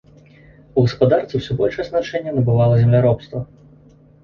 У гаспадарцы ўсё большае значэнне набывала земляробства.